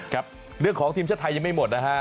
ครับเรื่องของทีมชาติไทยยังไม่หมดนะฮะ